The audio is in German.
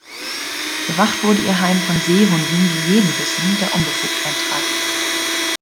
Bewacht wurde ihr Heim von Seehunden, die jeden bissen, der unbefugt eintrat.